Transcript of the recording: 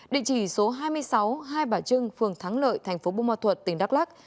địa chỉ số hai mươi sáu hai bà trưng phường thắng lợi tp bù mò thuật tỉnh đắk lắc